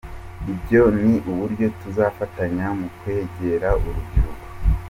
Ibyo ni uburyo tuzafatanya mu kwegera urubyiruko.